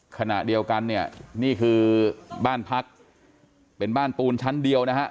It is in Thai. ขณะเดียวกันเนี่ยนี่คือบ้านพักเป็นบ้านปูนชั้นเดียวนะฮะ